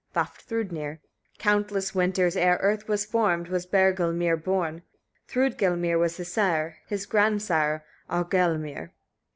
Vafthrûdnir. 29. Countless winters, ere earth was formed, was Bergelmir born; Thrûdgelmir was his sire, his grandsire Aurgelmir.